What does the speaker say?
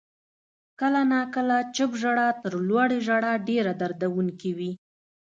• کله ناکله چپ ژړا تر لوړې ژړا ډېره دردونکې وي.